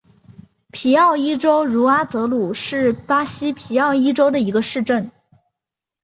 皮奥伊州茹阿泽鲁是巴西皮奥伊州的一个市镇。